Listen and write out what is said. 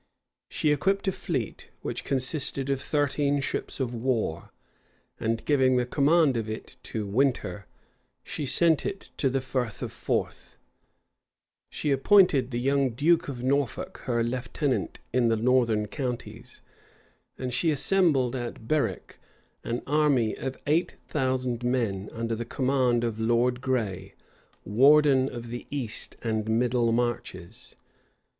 She equipped a fleet, which consisted of thirteen ships of war; and giving the command of it to Winter, she sent it to the Frith of Forth: she appointed the young duke of Norfolk her lieutenant in the northern counties; and she assembled, at Berwick, an army of eight thousand men under the command of Lord Gray, warden of the east and middle marches.